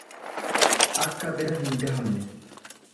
Akka bira hin gahamne